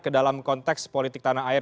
ke dalam konteks politik tanah air